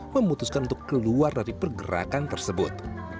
memutuskan untuk keluar dari pergerakan tersebut